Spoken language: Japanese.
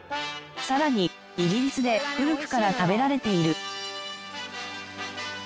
さらにイギリスで古くから食べられている。